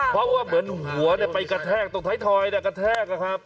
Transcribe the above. เพราะว่าเหมือนหัวไปกระแทกตรงท้ายทอยกระแทกนะครับ